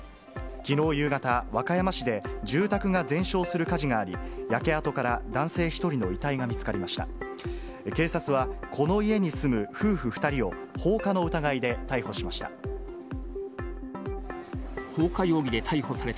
きのう夕方、和歌山市で住宅が全焼する火事があり、焼け跡から男性１人の遺体が見つかりました。